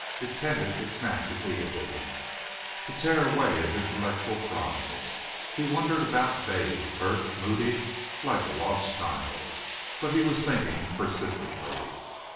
It tended to smash his egotism, to tear away his intellectual pride. He wandered about dazed, hurt, moody, like a lost child. But he was thinking persistently.